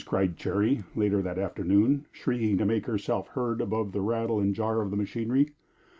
cried Cherry, later that afternoon, shrieking to make herself heard above the rattle and jar of the machinery.